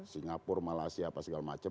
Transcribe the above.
singapura malaysia apa segala macam